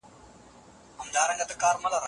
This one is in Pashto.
هغه له هیڅ کوم مناسب او پوه شخص سره ملګرتیا نه لري.